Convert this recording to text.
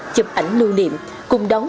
chụp ảnh lưu niệm cùng đóng